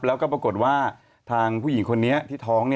แล้วก็ปรากฏว่าทางผู้หญิงคนนี้ที่ท้อง